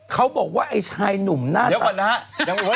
เขาบอกว่าไอ้ชายหนุ่มหน้าตาดีเดี๋ยวก่อนนะฮะ